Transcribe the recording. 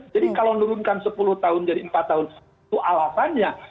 jadi kalau nurunkan sepuluh tahun dari empat tahun itu alasannya